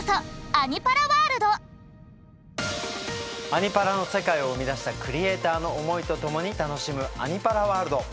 「アニ×パラ」の世界を生み出したクリエーターの思いとともに楽しむ「アニ×パラワールド」。